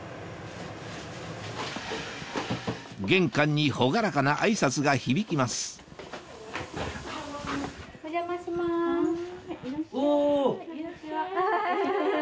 玄関に朗らかな挨拶が響きますいらっしゃい。